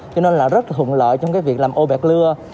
cho nên là rất là thuận lợi trong cái việc làm ô bẹt lưa